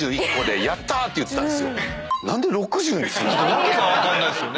訳が分かんないですよね。